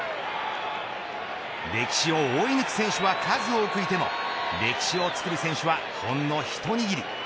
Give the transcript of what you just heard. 歴史を追い抜く選手は数多くいても歴史を作る選手はほんの一握り。